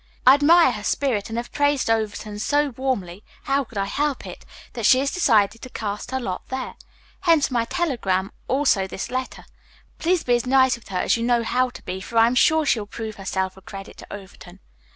I admire her spirit and have praised Overton so warmly how could I help it? that she has decided to cast her lot there. Hence my telegram, also this letter. Please be as nice with her as you know how to be, for I am sure she will prove herself a credit to Overton.